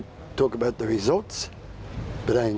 คิดว่าเกิดอะไรขึ้น